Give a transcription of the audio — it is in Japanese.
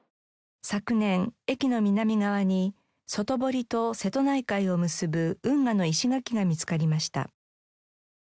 昨年駅の南側に外堀と瀬戸内海を結ぶ運河の石垣が見つかりました。